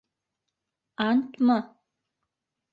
- Антмы?